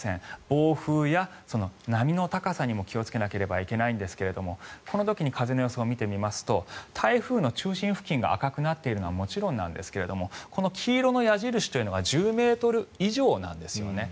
暴風や波の高さにも気をつけなければいけないんですがこの時に風の予想を見ていきますと台風の中心付近が赤くなっているのはもちろんなんですがこの黄色の矢印というのが１０ｍ以上なんですよね。